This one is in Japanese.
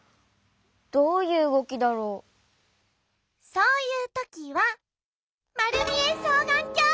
そういうときはまるみえそうがんきょう！